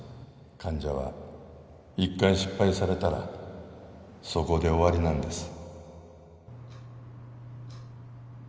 患者は１回失敗されたらそこで終わりなんです。